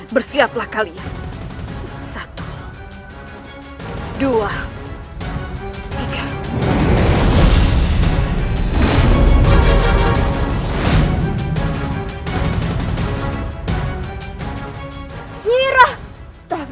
bersiaplah kalian satu dua tiga